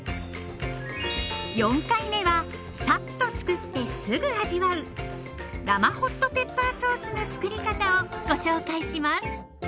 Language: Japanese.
４回目はさっとつくってすぐ味わう生ホットペッパーソースのつくり方をご紹介します。